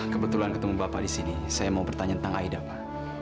kebetulan ketemu bapak di sini saya mau bertanya tentang aidama